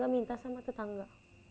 gak minta sama tetangga